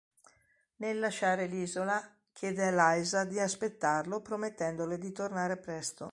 Nel lasciare l'isola, chiede a Liza di aspettarlo promettendole di tornare presto.